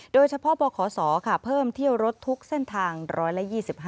โดยเฉพาะบพขอสรคข้าเพิ่มเที่ยวรถทุกข์เส้นทาง๑๒๕ค่ะ